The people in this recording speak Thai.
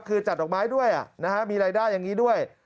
คือจัดดอกไม้ด้วยมีรายได้อย่างนี้ด้วย